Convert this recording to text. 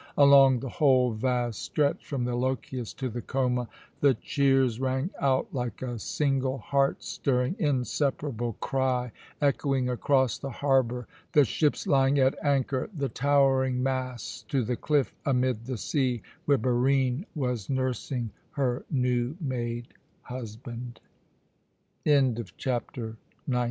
Along the whole vast stretch from the Lochias to the Choma the cheers rang out like a single, heart stirring, inseparable cry, echoing across the harbour, the ships lying at anchor, the towering masts, to the cliff amid the sea where Barine was nursing her new made husband. CHAPTER XX.